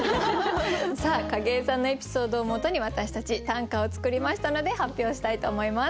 さあ景井さんのエピソードをもとに私たち短歌を作りましたので発表したいと思います。